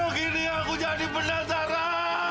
kalau gini aku jadi penasaran